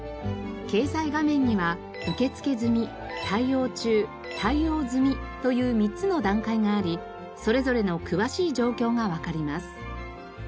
掲載画面には「受付済」「対応中」「対応済」という３つの段階がありそれぞれの詳しい状況がわかります。